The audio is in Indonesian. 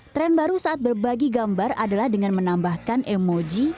tren baru saat berbagi gambar adalah dengan menambahkan emoji